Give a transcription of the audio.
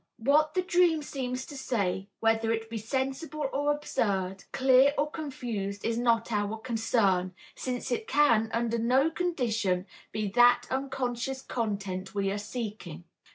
What the dream seems to say, whether it be sensible or absurd, clear or confused is not our concern, since it can under no condition be that unconscious content we are seeking.